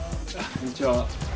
こんにちは。